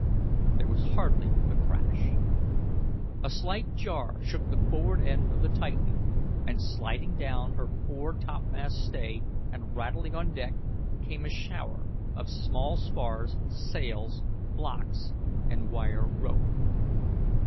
There was hardly a crash. A slight jar shook the forward end of the Titan and sliding down her fore topmast stay and rattling on deck came a shower of small spars, sails, blocks, and wire rope.